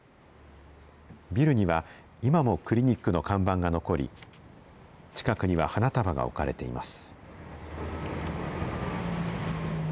ビルには今もクリニックの看板が残り、近くには花束が置かれています。